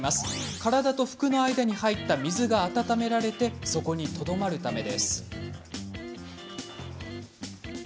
体と服の間に入った水が温められてそこにとどまるためです。